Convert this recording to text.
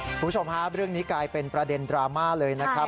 คุณผู้ชมฮะเรื่องนี้กลายเป็นประเด็นดราม่าเลยนะครับ